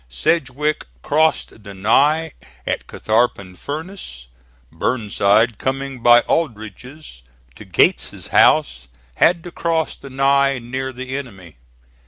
Sedgwick crossed the Ny at Catharpin Furnace. Burnside coming by Aldrich's to Gates's house, had to cross the Ny near the enemy.